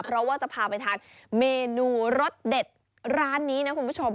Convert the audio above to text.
เพราะว่าจะพาไปทานเมนูรสเด็ดร้านนี้นะคุณผู้ชม